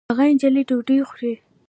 هغه نجلۍ ډوډۍ خوري